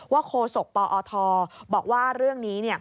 โคศกปอทบอกว่าเรื่องนี้